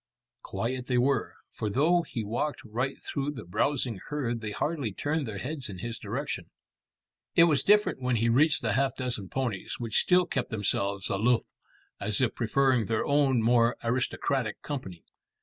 Quiet they were, for though he walked right through the browsing herd they hardly turned their heads in his direction. It was different when he reached the half dozen ponies, which still kept themselves aloof as if preferring their own more aristocratic company.